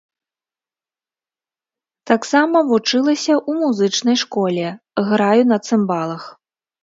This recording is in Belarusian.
Таксама вучылася ў музычнай школе, граю на цымбалах.